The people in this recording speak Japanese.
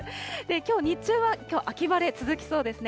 きょう、日中は秋晴れ続きそうですね。